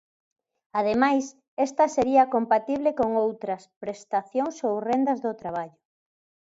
Ademais, esta sería compatible con outras prestacións ou rendas do traballo.